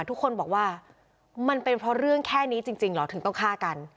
ทุกคนบอกว่ามันเป็นเพราะเรื่องแค่นี้จริงเหรอถึงต้องฆ่ากัน